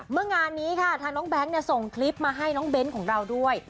เมื่อวานนี้ค่ะทางน้องแบงค์ส่งคลิปมาให้น้องเบ้นของเราด้วย